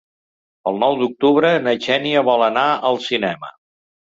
El nou d'octubre na Xènia vol anar al cinema.